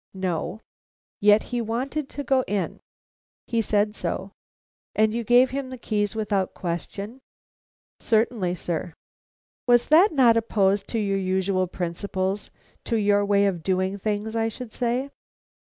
"No." "Yet he wanted to go in?" "He said so." "And you gave him the keys without question?" "Certainly, sir." "Was that not opposed to your usual principles to your way of doing things, I should say?"